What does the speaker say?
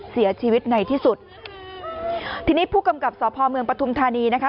เสียชีวิตในที่สุดทีนี้ผู้กำกับสพเมืองปฐุมธานีนะคะ